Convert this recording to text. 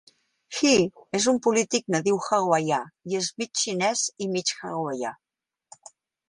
Hee és un polític nadiu hawaià, i és mig xinés i mig hawaià.